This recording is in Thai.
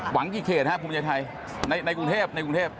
หวังกี่เขตครับภูมิใจไทยในกรุงเทพ